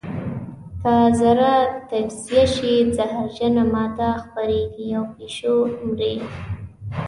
که ذره تجزیه شي زهرجنه ماده خپرېږي او پیشو مري.